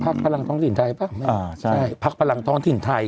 พลังท้องถิ่นไทยป่ะอ่าใช่พักพลังท้องถิ่นไทย